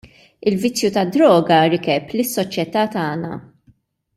Il-vizzju tad-droga rikeb lis-soċjetà tagħna.